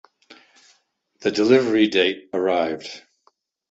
The delivery date arrived.